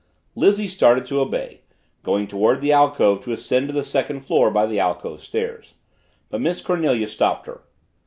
Lizzie started to obey, going toward the alcove to ascend to the second floor by the alcove stairs. But Miss Cornelia stopped her.